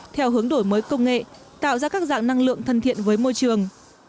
theo hướng đổi mới công nghệ tạo ra các dạng năng lượng thân thiện với môi trường